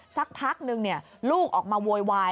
สักพักนึงลูกออกมาโวยวาย